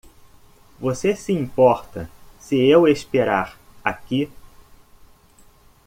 Você se importa se eu esperar aqui?